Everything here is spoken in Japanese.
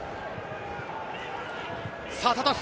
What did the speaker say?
さぁタタフ！